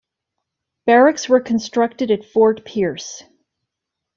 Barracks were constructed at Fort Pearce.